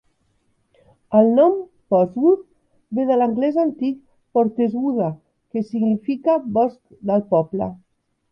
El nom "Portswood" ve de l'anglès antic "Porteswuda", que significa "bosc del poble".